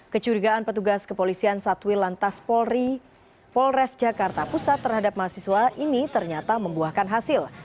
kecurigaan petugas kepolisian satwil lantas polri polres jakarta pusat terhadap mahasiswa ini ternyata membuahkan hasil